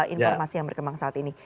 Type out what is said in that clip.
informasi yang berkembang saat ini